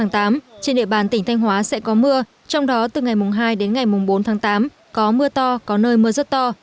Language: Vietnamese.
trên địa bàn tỉnh thanh hóa sẽ có mưa trong đó từ ngày hai bốn tám có mưa to có nơi mưa rất to